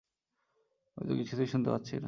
আমি তো কিছুই শুনতে পাচ্ছি না।